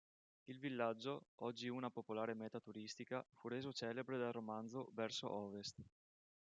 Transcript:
Il villaggio, oggi una popolare meta turistica, fu reso celebre dal romanzo "Verso Ovest!